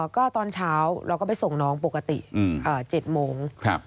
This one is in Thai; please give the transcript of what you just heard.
ก็ตอนเช้าเราก็ไปส่งน้องปกติ๗โมง